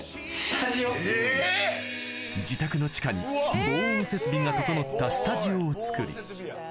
うん自宅の地下に防音設備が整ったスタジオを作り